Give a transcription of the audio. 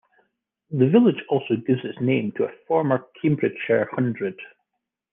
The village also gives its name to a former Cambridgeshire hundred.